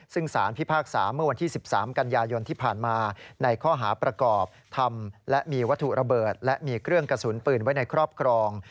ซึ่งสารพิพากษาเมื่อวันที่๑๓กันยายนที่ผ่านมาในข้อหาประกอบทำและมีวัตถุระเบิดและมีเครื่องกระสุนปืนไว้ในครอบครอง